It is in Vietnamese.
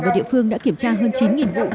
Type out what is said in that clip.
và địa phương đã kiểm tra hơn chín vụ